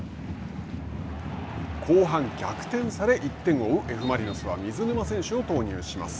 後半、逆転され、１点を追うＦ・マリノスは水沼選手を投入します。